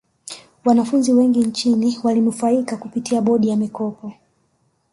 wanafunzi wengi nchini walinufaika kupitia bodi ya mikopo